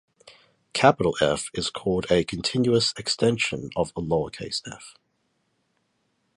"F" is called a "continuous extension" of "f".